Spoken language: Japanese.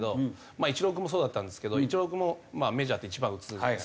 まあイチロー君もそうだったんですけどイチロー君もメジャーで１番打つんですけど。